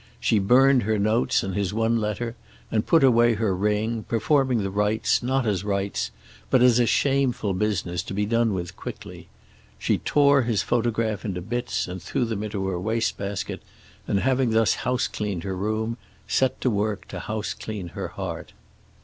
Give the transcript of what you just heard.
She burned her notes and his one letter and put away her ring, performing the rites not as rites but as a shameful business to be done with quickly. She tore his photograph into bits and threw them into her waste basket, and having thus housecleaned her room set to work to houseclean her heart.